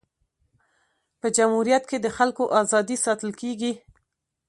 په جمهوریت کي د خلکو ازادي ساتل کيږي.